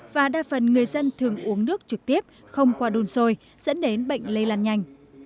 và đa phần người dân thường uống nước trực tiếp không qua đun sôi dẫn đến bệnh lây lan nhanh